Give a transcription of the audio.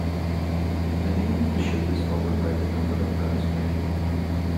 The name of the ship is followed by the number of guns carried.